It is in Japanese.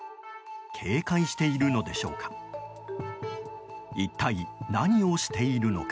警戒しているのでしょうか。